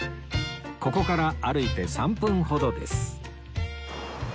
ここから歩いて３分ほどです